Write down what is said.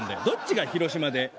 どっちが広島で。